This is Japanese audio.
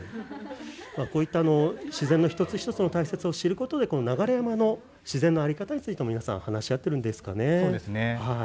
こういった自然の大切さを知ることで流山の自然の在り方についても話し合っているんですかね。